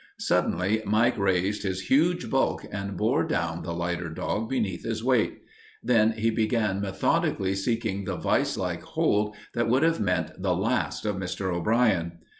Suddenly Mike raised his huge bulk and bore down the lighter dog beneath his weight. Then he began methodically seeking the vice like hold that would have meant the last of Mr. O'Brien.